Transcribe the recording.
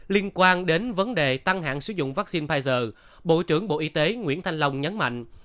liên quan đến vấn đề tăng hạn sử dụng vaccine pfizer bộ trưởng bộ y tế nguyễn thanh long nhấn mạnh